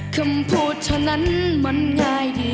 คำพูดฉะนั้นมันง่ายดี